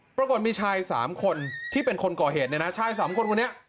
ปรากฏมีชาย๓คนที่เป็นคนก่อเหตุเนี่ยนะชาย๓คนคนนี้